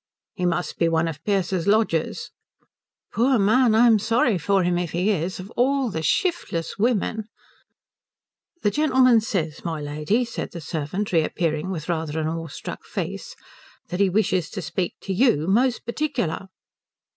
"He must be one of Pearce's lodgers." "Poor man, I'm sorry for him if he is. Of all the shiftless women " "The gentleman says, my lady," said the servant reappearing with rather an awestruck face, "that he wishes to speak to you most particular."